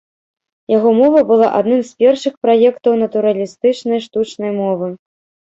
Яго мова была адным з першых праектаў натуралістычнай штучнай мовы.